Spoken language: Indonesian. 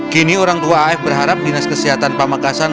kini orang tua af berharap dinas kesehatan pamekasan